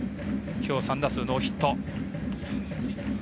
きょう３打数、ノーヒット。